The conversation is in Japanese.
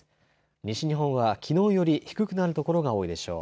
西日本はきのうより低くなる所が多いでしょう。